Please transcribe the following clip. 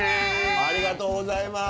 ありがとうございます。